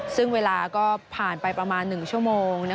ซึ่งเวลาก็ผ่านไปประมาณ๑ชั่วโมง